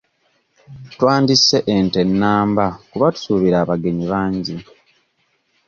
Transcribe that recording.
Twandisse ente namba kuba tusuubira abagenyi bangi.